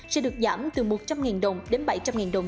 sẽ được giảm từ một trăm linh đồng đến bảy trăm linh đồng